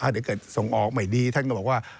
เดี๋ยวเกิดส่งออกไม่ดีท่านก็บอกว่า